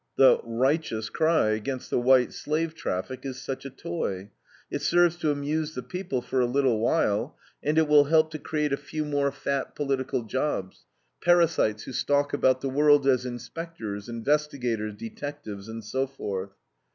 The "righteous" cry against the white slave traffic is such a toy. It serves to amuse the people for a little while, and it will help to create a few more fat political jobs parasites who stalk about the world as inspectors, investigators, detectives, and so forth.